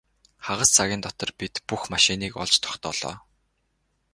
Хагас цагийн дотор бид бүх машиныг олж тогтоолоо.